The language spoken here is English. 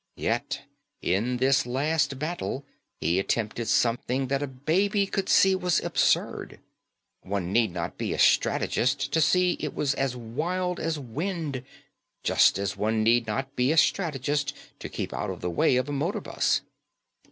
Yet in this last battle he attempted something that a baby could see was absurd. One need not be a strategist to see it was as wild as wind; just as one need not be a strategist to keep out of the way of a motor bus.